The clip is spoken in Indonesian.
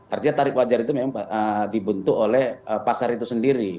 artinya tarik wajar itu memang dibentuk oleh pasar itu sendiri